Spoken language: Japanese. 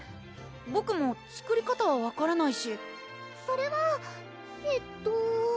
ボクも作り方は分からないしそれはえっと